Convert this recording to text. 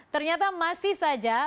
ternyata masih saja